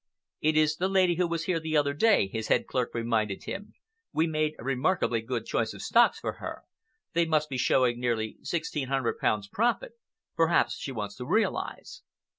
"It is the lady who was here the other day," his head clerk reminded him. "We made a remarkably good choice of stocks for her. They must be showing nearly sixteen hundred pounds profit. Perhaps she wants to realize."